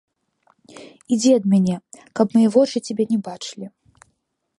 Ідзі ад мяне, каб мае вочы цябе не бачылі.